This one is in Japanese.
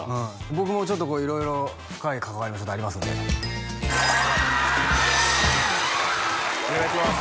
僕もちょっとこう色々深い関わりもありますんでお願いします